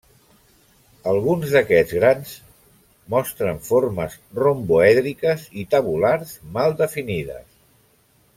Alguns d'aquests grans mostren formes romboèdriques i tabulars mal definides.